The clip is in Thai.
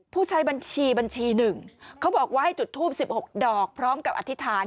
ผู้ใช้บัญชีบัญชี๑เขาบอกว่าให้จุดทูป๑๖ดอกพร้อมกับอธิษฐาน